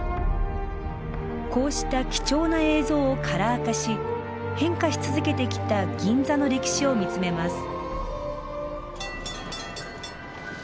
こうした貴重な映像をカラー化し変化し続けてきた銀座の歴史を見つめます。